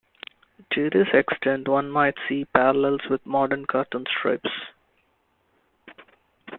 To this extent one might see parallels with modern cartoon strips.